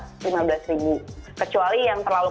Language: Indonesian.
kecuali yang terlalu komersial banget